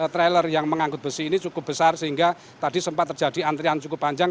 trailer yang mengangkut besi ini cukup besar sehingga tadi sempat terjadi antrian cukup panjang